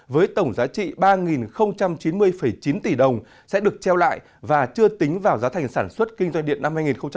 với tổng giá trị ba chín mươi chín tỷ đồng sẽ được treo lại và chưa tính vào giá thành sản xuất kinh doanh điện năm hai nghìn một mươi chín